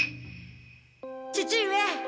父上！